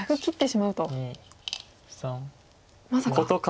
まさか。